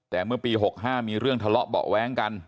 แต่เมื่อปี๖๕มีเรื่องทะเลาะเบาะแว้งกัน